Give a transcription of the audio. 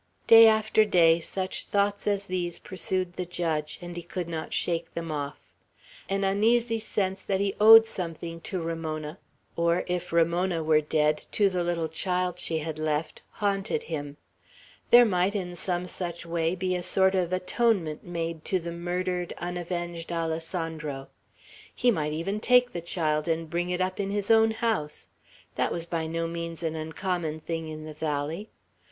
Day after day such thoughts as these pursued the judge, and he could not shake them off. An uneasy sense that he owed something to Ramona, or, if Ramona were dead, to the little child she had left, haunted him. There might in some such way be a sort of atonement made to the murdered, unavenged Alessandro. He might even take the child, and bring it up in his own house. That was by no means an uncommon thing in the valley.